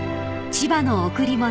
［『千葉の贈り物』］